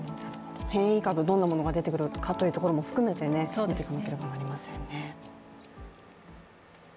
変異株、どんなものが出てくるかということも含めてみていかなければと思いますね。